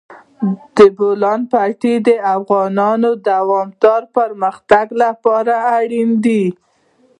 د بولان پټي د افغانستان د دوامداره پرمختګ لپاره اړین دي.